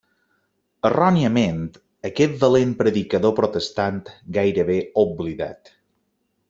Erròniament, aquest valent predicador protestant gairebé oblidat.